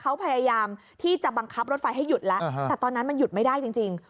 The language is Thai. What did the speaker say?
เขาพยายามที่จะบังคับรถไฟให้หยุดแล้วแต่ตอนนั้นมันหยุดไม่ได้จริง